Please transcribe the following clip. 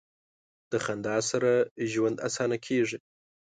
د خندا سره ژوند اسانه کیږي.